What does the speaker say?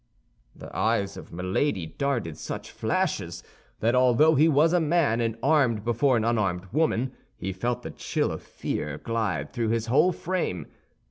The eyes of Milady darted such flashes that although he was a man and armed before an unarmed woman, he felt the chill of fear glide through his whole frame.